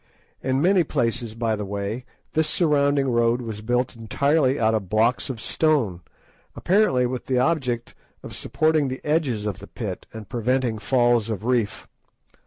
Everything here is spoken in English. In many places, by the way, this surrounding road was built entirely out of blocks of stone, apparently with the object of supporting the edges of the pit and preventing falls of reef.